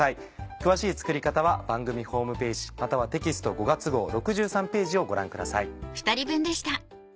詳しい作り方は番組ホームページまたはテキスト５月号６３ページをご覧ください。